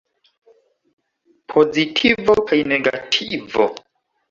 Pozitivo kaj negativo.